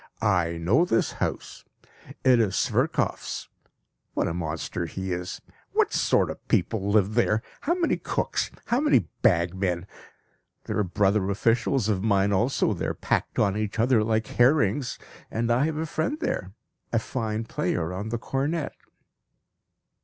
I know this house; it is Sverkoff's. What a monster he is! What sort of people live there! How many cooks, how many bagmen! There are brother officials of mine also there packed on each other like herrings. And I have a friend there, a fine player on the cornet."